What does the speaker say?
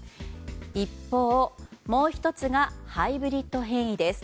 一方、もう１つがハイブリッド変異です。